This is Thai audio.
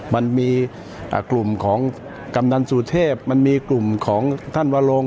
มันมีกลุ่มของกำนันสุเทพมันมีกลุ่มของท่านวลง